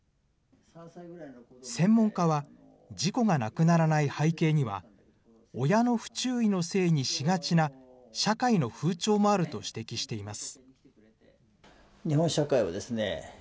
専門家は、事故がなくならない背景には、親の不注意のせいにしがちな社会の風潮もあると指摘しています。